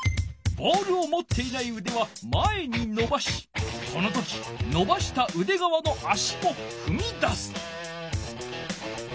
ボールをもっていないうでは前にのばしこの時のばしたうでがわの足もふみ出す。